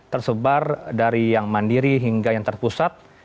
tersebar dari yang mandiri hingga yang terpusat